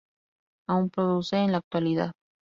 Aún produce en la actualidad.